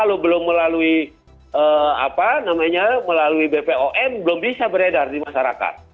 obat dan makanan kalau belum melalui bepom belum bisa beredar di masyarakat